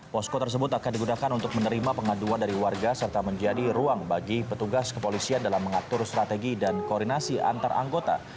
posko tersebut akan digunakan untuk menerima pengaduan dari warga serta menjadi ruang bagi petugas kepolisian dalam mengatur strategi dan koordinasi antar anggota